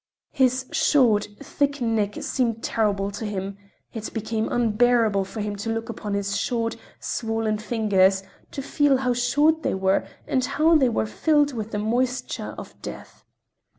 His short, thick neck seemed terrible to him. It became unbearable for him to look upon his short, swollen fingers—to feel how short they were and how they were filled with the moisture of death.